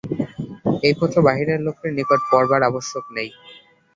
এই পত্র বাহিরের লোকের নিকট পড়বার আবশ্যক নাই।